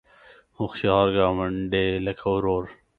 هوښیار ګاونډی لکه ورور